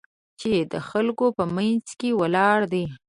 چې د خلکو په منځ کې ولاړ دی.